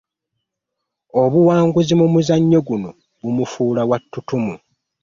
Obuwanguzi mu muzannyo guno bumufuula wa ttutumu.